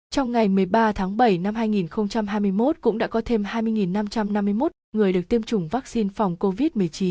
trong ngày một mươi ba tháng bảy năm hai nghìn hai mươi một cũng đã có thêm hai mươi năm trăm năm mươi một người được tiêm chủng vaccine phòng covid một mươi chín